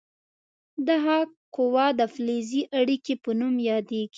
دغه قوه د فلزي اړیکې په نوم یادیږي.